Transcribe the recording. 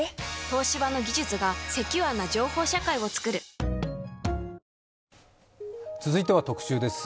東芝の技術がセキュアな情報社会をつくる続いては「特集」です。